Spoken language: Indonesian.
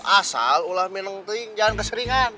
asal ulah memang teling jangan keseringan